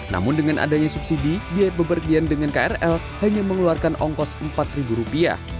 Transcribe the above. namun dengan adanya subsidi biaya bepergian dengan krl hanya mengeluarkan ongkos rp empat